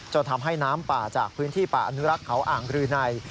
ทำให้น้ำป่าจากพื้นที่ป่าอนุรักษ์เขาอ่างรืนัย